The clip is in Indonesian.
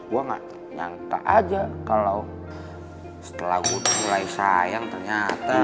gue gak nyangka aja kalau setelah gue mulai sayang ternyata